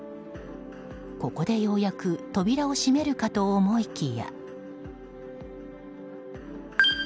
ここでようやく扉を閉めるかと思いきや。